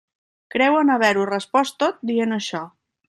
Creuen haver-ho respost tot dient això.